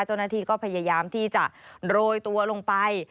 เจ้าหน้าที่ก็พยายามที่จะโรยตัวลงไป